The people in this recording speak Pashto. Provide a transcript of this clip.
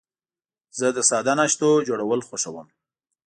زه د ساده ناشتو جوړول خوښوم.